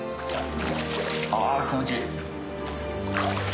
あ気持ちいい。